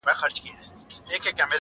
په ټولو کتابو کي دی، انسان مبارک,